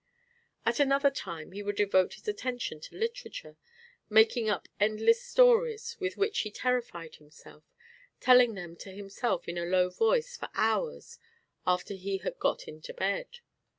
At another time he would devote his attention to literature, making up endless stories with which he terrified himself, telling them to himself in a low voice for hours after he had got into bed.